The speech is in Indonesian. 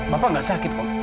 bapak gak sakit kok